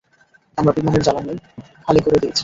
আমরা বিমানের জ্বালানি খালি করে দিয়েছি।